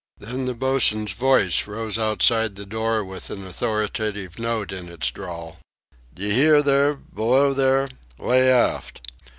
Then the boatswain's voice rose outside the door with an authoritative note in its drawl: "D'ye hear, below there? Lay aft!